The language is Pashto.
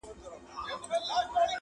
لا پر سوځلو ښاخلو پاڼي لري،